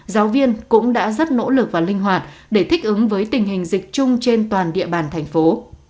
giáo viên cũng đã rất nỗ lực và linh hoạt để thích ứng với tình hình dịch chung trên toàn địa bàn thành phố